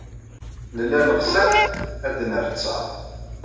Nella neɣs akk ad d-nerr ttaṛ.